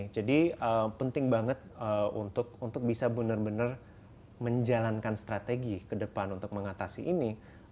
jadi penting banget untuk bisa benar benar menjalankan strategi ke depan untuk mengatasi ini